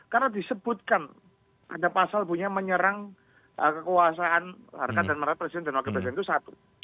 karena disebutkan ada pasal punya menyerang kekuasaan harkat dan martabat presiden dan wakil presiden itu satu